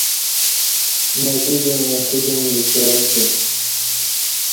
نہ کودیومہ کودیوم لوچیاستہ